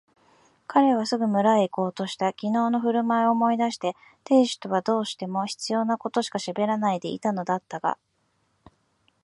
彼はすぐ村へいこうとした。きのうのふるまいを思い出して亭主とはどうしても必要なことしかしゃべらないでいたのだったが、